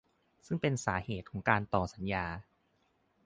ซึ่งเป็นสาเหตุของการต่อสัญญา